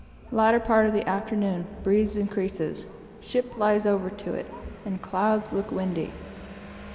Latter part of the afternoon, breeze increases, ship lies over to it, and clouds look windy.